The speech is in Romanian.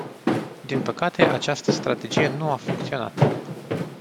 Din păcate, această strategie nu a funcționat.